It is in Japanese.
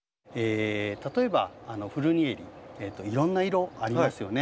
例えばフルニエリいろんな色ありますよね。